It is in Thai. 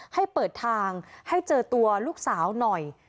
ให้เปิดทางให้เจอตัวลูกสาวหน่อย